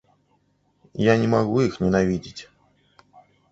Я не магу іх ненавідзець.